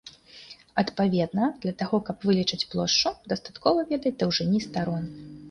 Адпаведна, для таго каб вылічыць плошчу дастаткова ведаць даўжыні старон.